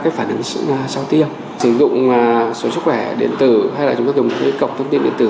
cái phản ứng sau tiêm sử dụng số sức khỏe điện tử hay là chúng ta dùng cái cổng thông tin điện tử